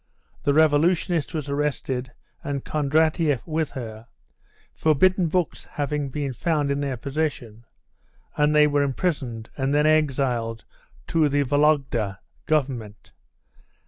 The revolutionist was arrested, and Kondratieff with her, forbidden books having been found in their possession, and they were imprisoned and then exiled to the Vologda Government.